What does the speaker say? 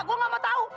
gue gak mau tau